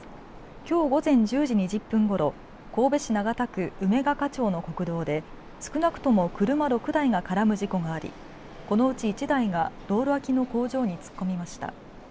きょう午前１０時２０分ごろ神戸市長田区梅ヶ香町の国道で少なくとも車６台が絡む事故がありこのうち１台が道路脇の工場に突っ込みました。